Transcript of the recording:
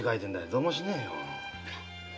どうもしねえよ。